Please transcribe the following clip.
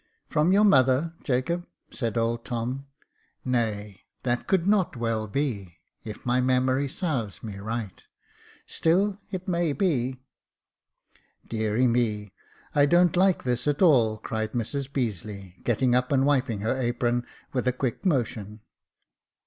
From your mother, Jacob !" said old Tom. *' Nay, that could not well be, if my memory sarves me right. Still it may be." *' Deary me, I don't like this at all," cried Mrs Beazeley, getting up, and wiping her apron with a quick motion.